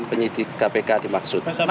penyelidik kpk dimaksud